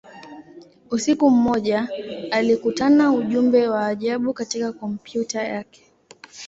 Usiku mmoja, alikutana ujumbe wa ajabu katika kompyuta yake.